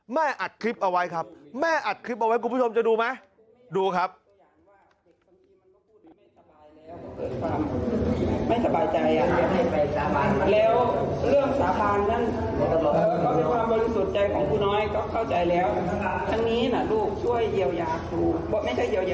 อัดคลิปเอาไว้ครับแม่อัดคลิปเอาไว้คุณผู้ชมจะดูไหมดูครับ